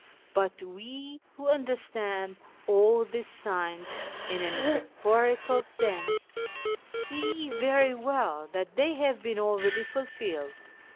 But we, who understand all these signs in a metaphorical sense, see very well that they have been already fulfilled.